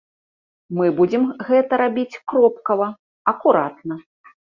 Мы будзем гэта рабіць кропкава, акуратна.